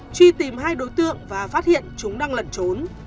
truy tìm hai đối tượng và phát hiện chúng đang lẩn trốn